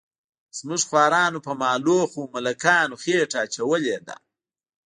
زموږ خوارانو په مالونو خو ملکانو خېټه اچولې ده.